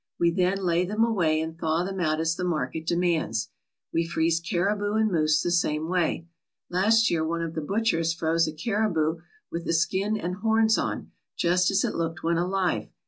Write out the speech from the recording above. We then lay them away and thaw them out as the market demands. We freeze caribou and moose the same way. Last year one of the butchers froze a caribou with the skin and horns on, just as it looked when alive.